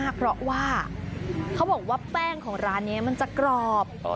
เขาบอกว่าแป้งของร้านนี้มันจะกรอบ